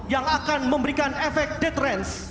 yang akan memberikan efek deterrence